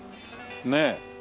ねえ。